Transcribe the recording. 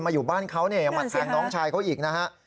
มาอยู่บ้านเขายังหวัดทางน้องชายเขาอีกนะฮะ